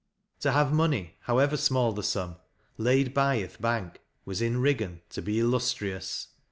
To have money, how ever small the sum, " laid by i' th' bank," was in Riggan to be illustrious.